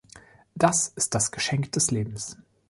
Das ist das Geschenk des Lebens.